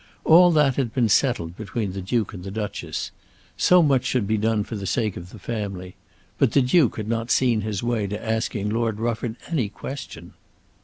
All that had been settled between the Duke and the Duchess. So much should be done for the sake of the family. But the Duke had not seen his way to asking Lord Rufford any question.